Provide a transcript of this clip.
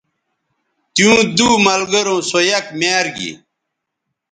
تیوں دو ملگروں سو یک میار گی